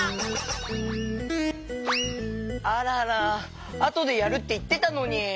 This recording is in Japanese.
あららあとでやるっていってたのに。